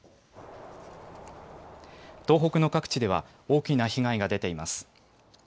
東北の各地では大きな被害が出ています。